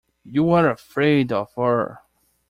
You are afraid of her!